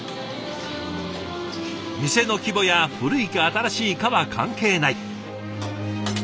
店の規模や古いか新しいかは関係ない。